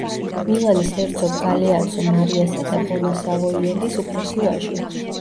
მილანის ჰერცოგ გალეაცო მარიასა და ბონა სავოიელის უფროსი ვაჟი.